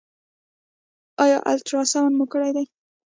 ایا الټراساونډ مو کړی دی؟